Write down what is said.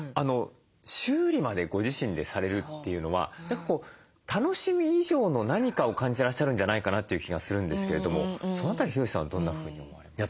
修理までご自身でされるというのは楽しみ以上の何かを感じてらっしゃるんじゃないかなという気がするんですけれどもその辺りヒロシさんはどんなふうに思われますか？